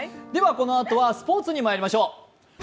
このあとはスポーツにまいりましょう。